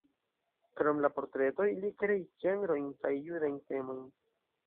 Krom la portretoj li kreis ĝenrojn kaj judajn temojn.